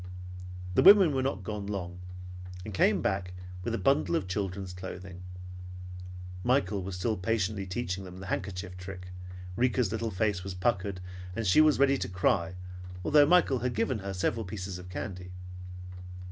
The women were not gone long, and came back with a bundle of children's clothing. Michael was still patiently teaching them the handkerchief trick, Rika's little face was puckered, and she was ready to cry although Michael had given her several pieces of candy.